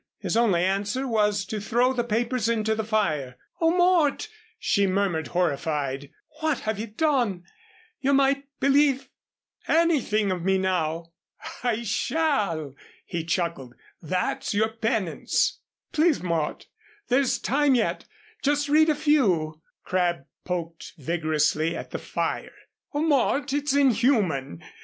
His only answer was to throw the papers into the fire. "Oh, Mort," she murmured, horrified, "what have you done you might believe anything of me now." "I shall," he chuckled, "that's your penance." "Please, Mort there's time yet just read a few " Crabb poked vigorously at the fire. "Oh, Mort, it's inhuman!